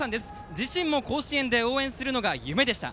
自身も甲子園で応援するのが夢でした。